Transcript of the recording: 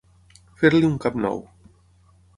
Fer-li un cap nou.